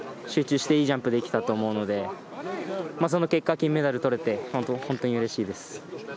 ２本とも集中していいジャンプができたと思うのでその結果、金メダルが取れて本当にうれしいです。